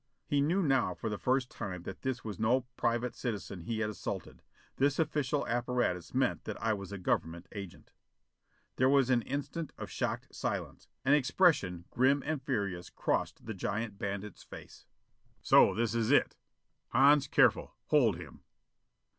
He knew now for the first time that this was no private citizen he had assaulted. This official apparatus meant that I was a Government agent. There was an instant of shocked silence. An expression grim and furious crossed the giant bandit's face. "So this is it? Hans, careful hold him!"